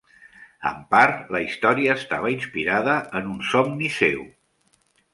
En part, la història estava inspirada en un somni seu.